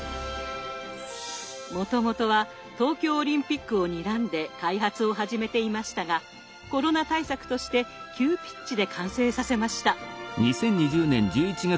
もともとは東京オリンピックをにらんで開発を始めていましたがコロナ対策として急ピッチで完成させました。